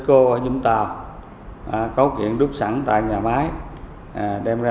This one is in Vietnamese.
thứ hai là công nghệ của công ty là busaco ở vũng tàu có kiện đút sẵn tại nhà máy đem ra lắp ráp